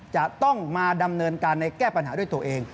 จะต้องมาดำเนินการในแก้ปัญหาด้วยตัวเอง